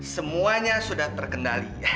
semuanya sudah terkendali